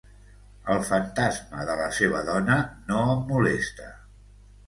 El fantasma de la seva dona no em molesta.